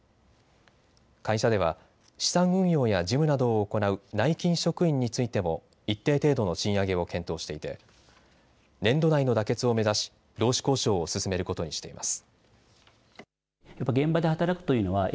会社では資産運用や事務などを行う内勤職員についても一定程度の賃上げを検討していて年度内の妥結を目指し労使交渉を進めることにしています。